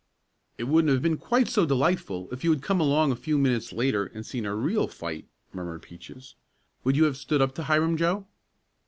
"It wouldn't have been quite so delightful if you'd have come along a few minutes later and seen a real fight," murmured Peaches. "Would you have stood up to Hiram, Joe?"